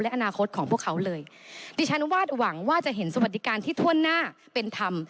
และอนาคตของพวกเขาเลยดิฉันวาดหวังว่าจะเห็นสวัสดิการที่ถ้วนหน้าเป็นธรรม